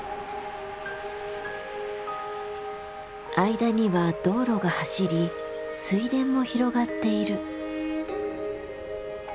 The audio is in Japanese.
間には道路が走り水田も広がっている。